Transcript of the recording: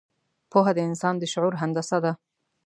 پوهه د انسان د شعور هندسه ده.